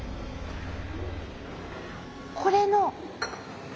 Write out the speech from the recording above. これの。